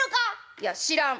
「いや知らん」。